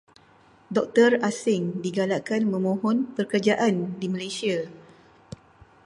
Doktor asing digalakkan memohon pekerjaan di Malaysia.